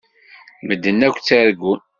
Medden akk ttargun.